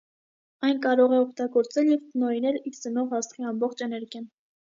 Այն կարող է օգտագործել և տնօրինել իր ծնող աստղի ամբողջ էներգիան։